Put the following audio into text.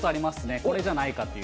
これじゃないかという。